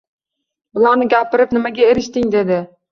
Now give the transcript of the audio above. Bularni gapirib nimaga erishding? — dedi.